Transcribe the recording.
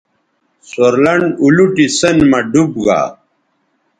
سور لنڈ اولوٹی سیئن مہ ڈوب گا